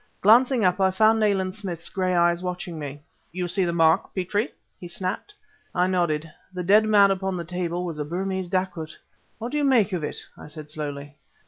Glancing up, I found Nayland Smith's gray eyes watching me. "You see the mark, Petrie?" he snapped. I nodded. The dead man upon the table was a Burmese dacoit! "What do you make of it?" I said slowly.